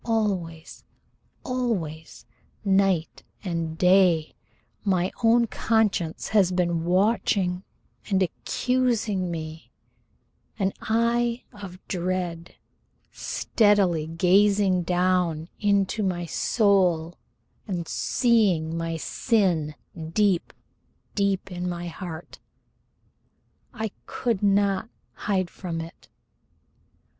Always always night and day my own conscience has been watching and accusing me, an eye of dread steadily gazing down into my soul and seeing my sin deep, deep in my heart. I could not hide from it.